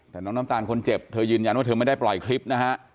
แต่น้องน้ำตาลคนเจ็บเธอยืนยันว่าเธอไม่ได้ปล่อยคลิปนะฮะ